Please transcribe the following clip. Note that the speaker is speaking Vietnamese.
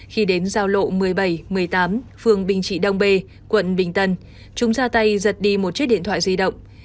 khi đến giao lộ một mươi bảy một mươi tám phường bình trị đông bê quận bình tân chúng ra tay giật đi một chiếc điện thoại di động